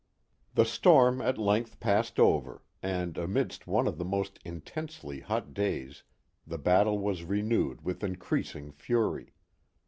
' The storm at length passed over, and amidst one of the J most intensely hot days the battle was renewed with increas I ing fury.